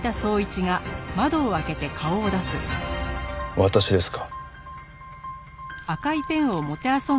私ですか？